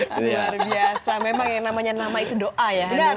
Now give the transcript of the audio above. luar biasa memang yang namanya nama itu doa ya